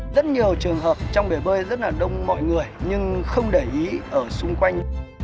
rất nhiều trường hợp trong bể bơi rất là đông mọi người nhưng không để ý ở xung quanh